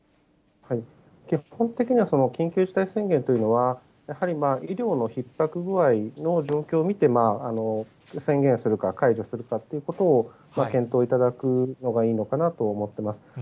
基本的には緊急事態宣言というのは、やはり医療のひっ迫具合の状況を見て宣言するか、解除するかっていうことを、検討いただくのがいいのかなと思ってます。